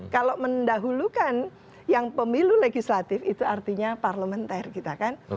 kalau mendahulukan yang pemilu legislatif itu artinya parlementer kita kan